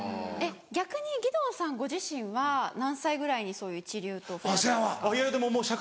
逆に義堂さんご自身は何歳ぐらいにそういう一流と触れ合ったんですか？